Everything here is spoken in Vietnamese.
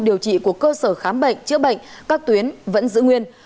điều trị của cơ sở khám bệnh chữa bệnh các tuyến vẫn giữ nguyên